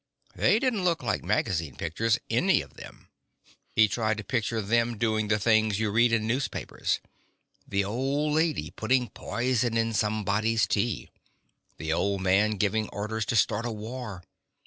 They didn't look like magazine pictures, any of them. He tried to picture them doing the things you read in newspapers: the old ladies putting poison in somebody's tea; the old man giving orders to start a war.